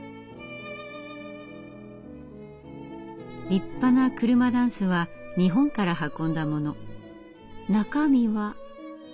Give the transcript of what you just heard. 立派な車箪笥は日本から運んだもの。中身は？